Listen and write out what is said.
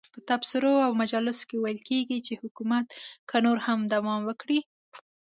په تبصرو او مجالسو کې ویل کېږي چې حکومت که نور هم دوام وکړي.